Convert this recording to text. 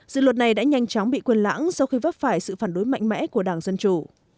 dự luật này đã nhanh chóng bị quyền lãng sau khi vấp phải sự phản đối mạnh mẽ của đảng dân chủ